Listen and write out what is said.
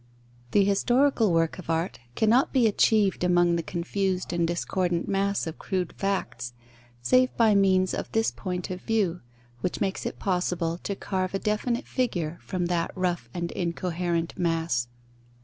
The historical work of art cannot be achieved among the confused and discordant mass of crude facts, save by means of this point of view, which makes it possible to carve a definite figure from that rough and incoherent mass.